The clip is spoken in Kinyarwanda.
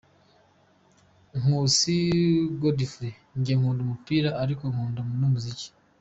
Nkusi Godfrey: njye nkunda umupira ariko nkunda n’umuziki.